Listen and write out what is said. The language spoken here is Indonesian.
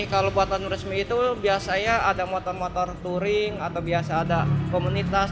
kalau buatan resmi itu biasanya ada motor motor touring atau biasa ada komunitas